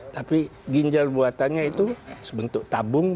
tapi ginjal buatannya itu sebentuk tabung